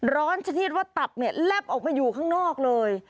ชนิดว่าตับเนี่ยแลบออกมาอยู่ข้างนอกเลย